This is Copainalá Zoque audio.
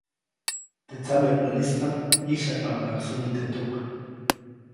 Teʼ tsamepäʼnistaʼm ʼyisyajpaʼuŋnaʼak sunyi teʼ tuk.